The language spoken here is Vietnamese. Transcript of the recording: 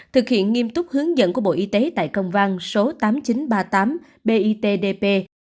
thực hiện nghiêm túc hướng dẫn của bộ y tế tại công vang số tám nghìn chín trăm ba mươi tám bitdp